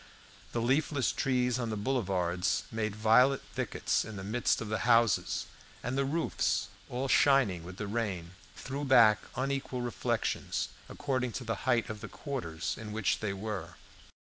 The leafless trees on the boulevards made violet thickets in the midst of the houses, and the roofs, all shining with the rain, threw back unequal reflections, according to the height of the quarters in which they were.